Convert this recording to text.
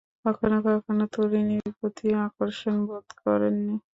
কখনো কোনো তরুণীর প্রতি আকর্ষণ বোধ করেন নি?